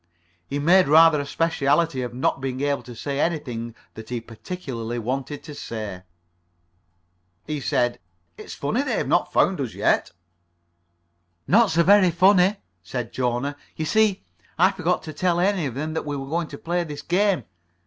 He made rather a specialty of not being able to say anything that he particularly wanted to say. [Pg 46]He said: "It's funny they've not found us yet." "Not so very funny," said Jona. "You see, I forgot to tell any of them that we were going to play this game.